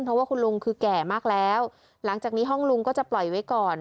เพราะว่าคุณลุงคือแก่มากแล้วหลังจากนี้ห้องลุงก็จะปล่อยไว้ก่อน